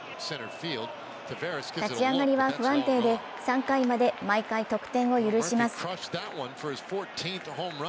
立ち上がりは不安定で、３回まで毎回得点を許します。